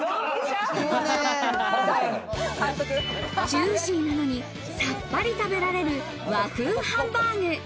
ジューシーなのに、さっぱり食べられる和風ハンバーグ。